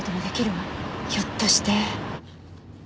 ひょっとして。